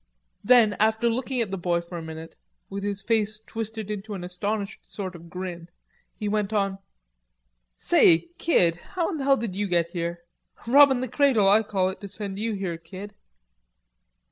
Then, after looking at the boy for a minute, with his face twisted into an astonished sort of grin, he went on: "Say, kid, how in hell did you git here? Robbin' the cradle, Oi call it, to send you here, kid."